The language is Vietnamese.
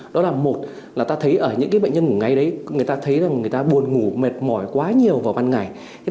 đó là một là ta thấy ở những bệnh nhân ngủ ngay đấy người ta thấy là người ta buồn ngủ mệt mỏi quá nhiều vào ban ngày